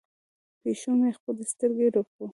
پیشو مې خپلې سترګې رپوي.